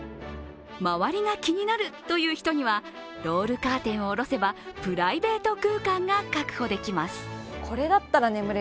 周りが気になるという人にはロールカーテンを下ろせばプライベート空間が確保できます。